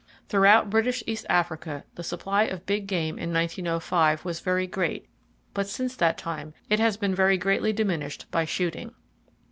Throughout British East Africa the supply of big game in 1905 was very great, but since that time it has been very greatly diminished by shooting.